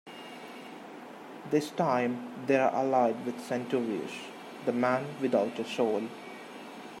This time they are allied with Centurious, the man without a soul.